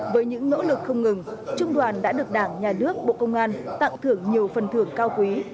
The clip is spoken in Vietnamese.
với những nỗ lực không ngừng trung đoàn đã được đảng nhà nước bộ công an tặng thưởng nhiều phần thưởng cao quý